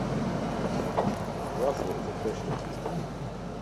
Russell is a Christian.